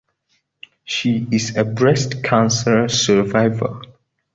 She is a breast cancer survivor.